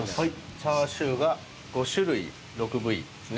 チャーシューが５種類、６部位ですね。